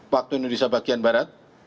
waktu indonesia bagian barat